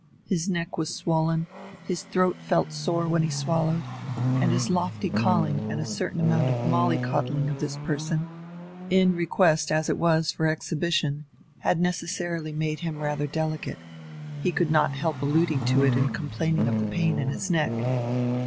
His neck was swollen, his throat felt sore when he swallowed; and as his lofty calling and a certain amount of molly coddling of his person, in request as it was for exhibition, had necessarily made him rather delicate, he could not help alluding to it and complaining of the pain in his neck.